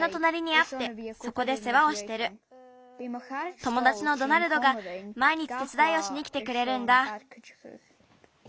ともだちのドナルドがまいにちてつだいをしにきてくれるんだ。